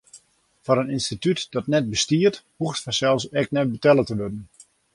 Foar in ynstitút dat net bestiet, hoecht fansels ek net betelle te wurden.